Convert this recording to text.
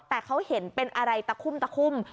แต่เขาเห็นเป็นอะไรตะขุ้ม